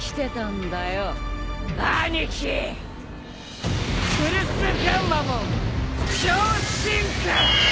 グルスガンマモン超進化！